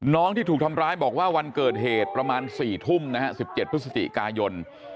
ที่ถูกทำร้ายบอกว่าวันเกิดเหตุประมาณ๔ทุ่มนะฮะ๑๗พฤศจิกายน